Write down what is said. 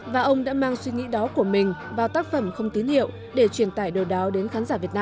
và ông đã mang suy nghĩ đó của mình vào tác phẩm không tín hiệu để truyền tải điều đó đến khán giả việt nam